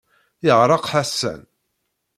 Yeɣreq Ḥasan.